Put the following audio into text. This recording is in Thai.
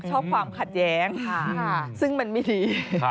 ชอบความขัดแย้งซึ่งมันไม่ดี